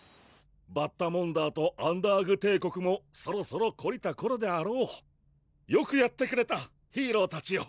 バッタモンダーとアンダーグ帝国もそろそろこりたころであろうよくやってくれたヒーローたちよ